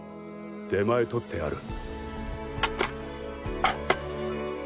出前とってある。